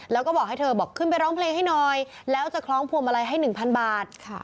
แล้วก็บอกให้เธอบอกขึ้นไปร้องเพลงให้หน่อยแล้วจะคล้องพวงมาลัยให้๑๐๐บาท